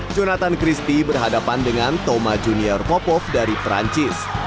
jonathan christie berhadapan dengan thoma junior popov dari perancis